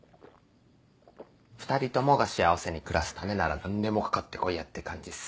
２人ともが幸せに暮らすためなら何でもかかってこいやって感じっす。